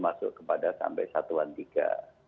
masuk kepada sampai satuan tiga